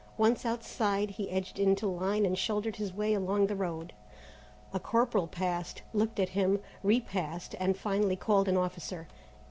Once outside, he edged into line and shouldered his way along the road. A corporal passed, looked at him, repassed, and finally called an officer.